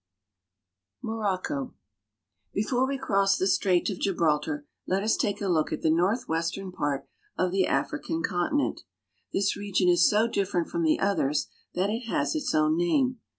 MOROCCO BEFORE we cross the Strait of Gibraltar let us take a look at the northwestern part of the African conti nent. This region is so different from the others that it has its own name.